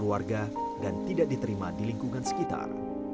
keluarga dan tidak diterima di lingkungan sekitar